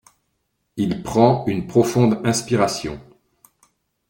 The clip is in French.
Il prend une profonde inspiration.